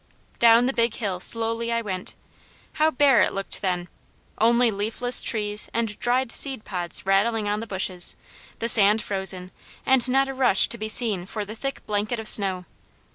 Down the Big Hill slowly I went. How bare it looked then! Only leafless trees and dried seed pods rattling on the bushes, the sand frozen, and not a rush to be seen for the thick blanket of snow.